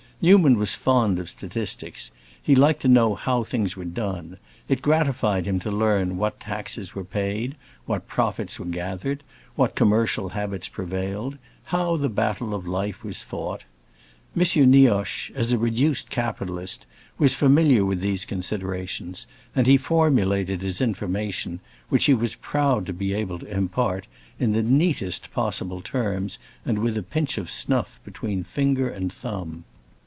Newman was fond of statistics; he liked to know how things were done; it gratified him to learn what taxes were paid, what profits were gathered, what commercial habits prevailed, how the battle of life was fought. M. Nioche, as a reduced capitalist, was familiar with these considerations, and he formulated his information, which he was proud to be able to impart, in the neatest possible terms and with a pinch of snuff between finger and thumb.